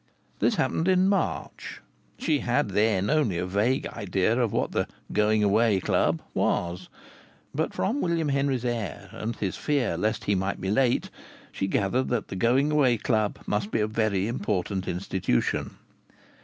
This happened in March. She had then only a vague idea of what the Going Away Club was. But from William Henry's air, and his fear lest he might be late, she gathered that the Going Away Club must be a very important institution.